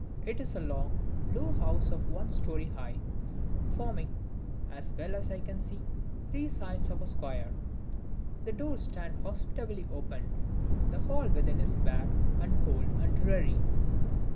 It is a long, low house of one story high; forming (as well as I can see) three sides of a square. The door stands hospitably open. The hall within is bare and cold and dreary.